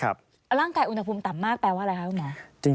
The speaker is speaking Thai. ร่างกายอุณหภูมิต่ำมากแปลว่าอะไรคะคุณหมอ